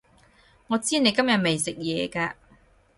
我知你今日未食嘢㗎